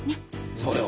そうよ。